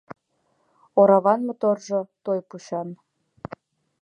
Ораван моторжо - той пучан.